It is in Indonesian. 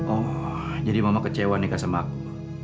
oh jadi mama kecewa nih kak sama aku